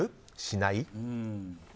しない？